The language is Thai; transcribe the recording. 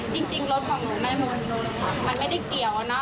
จริงรถของหนูไม่มีรถมันไม่ได้เกี่ยวนะ